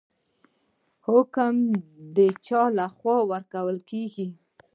حکم د چا لخوا ورکول کیږي؟